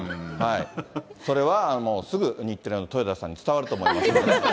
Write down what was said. それはもう、すぐ日テレの豊田さんに伝わると思います。